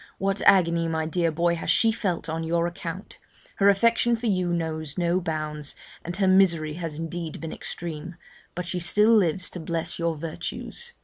What agony, my dear boy, has she felt on your account! her affection for you knows no bounds, and her misery has indeed been extreme; but she still lives to bless your virtues.'